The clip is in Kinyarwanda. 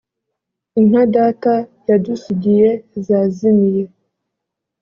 Inka data yadusigiye zazimiye